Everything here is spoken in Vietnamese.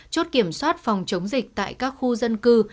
chốt kiểm soát phòng chống dịch tại các khu dân cư